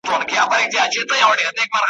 د ټول کلي خلک ماته کړي ښراوي `